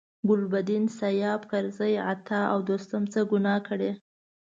ګلبدین، سیاف، کرزي، عطا او دوستم څه ګناه کړې.